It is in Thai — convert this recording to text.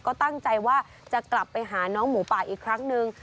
ก็ตั้งใจว่าจะกลับไปหาน้องหมูป่าอีกครั้งหนึ่ง